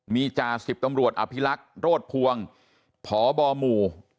มีจ่า๑๐ตำรวจอภิลักษณ์โรธพวงผอบ่อหมู่